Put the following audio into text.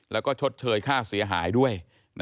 แล้วก็ชดเชยค่าเสียหายด้วย